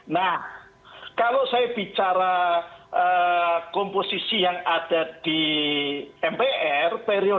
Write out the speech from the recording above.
nah kalau saya bicara komposisi yang ada di mpr